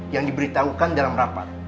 yang diberitahukan dalam rapat